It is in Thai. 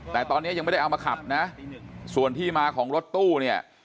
แต่ตอนนี้ยังไม่ได้เอามาขับนะส่วนที่มาของรถตู้เนี่ย